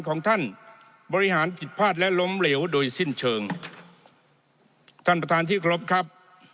ของท่านบริหารผิดพลาดและล้มเหลวโดยสิ้นเชิงท่านประธานที่เคารพครับ